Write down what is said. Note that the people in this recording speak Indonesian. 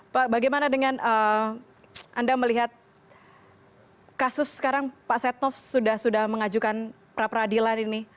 pak bagaimana dengan anda melihat kasus sekarang pak setnov sudah sudah mengajukan pra peradilan ini